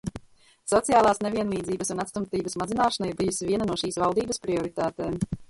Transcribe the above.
Sociālās nevienlīdzības un atstumtības mazināšana ir bijusi viena no šīs valdības prioritātēm.